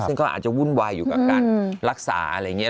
ซึ่งก็อาจจะวุ่นวายอยู่กับการรักษาอะไรอย่างนี้